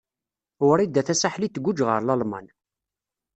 Wrida Tasaḥlit tguǧǧ ɣer Lalman.